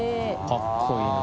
かっこいいな。